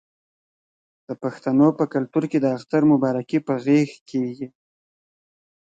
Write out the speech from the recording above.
د پښتنو په کلتور کې د اختر مبارکي په غیږ کیږي.